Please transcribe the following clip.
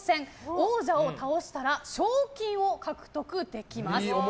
王者を倒したら賞金を獲得できます。